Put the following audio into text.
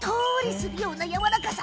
するようなやわらかさ。